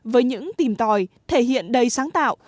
với những tìm tòi thể hiện đầy sáng tạo